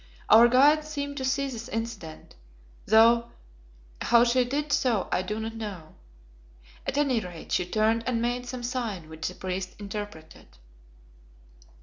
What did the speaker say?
Our guide seemed to see this incident, though how she did so I do not know. At any rate she turned and made some sign which the priest interpreted.